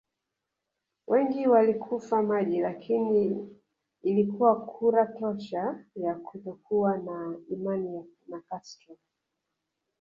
Wengi walikufa maji lakini ilikuwa kura tosha ya kutokuwa na imani na Castro